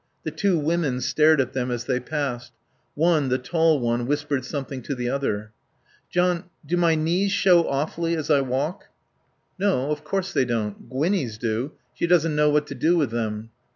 The two women stared at them as they passed. One, the tall one, whispered something to the other. "John do my knees show awfully as I walk?" "No. Of course they don't. Gwinnie's do. She doesn't know what to do with them."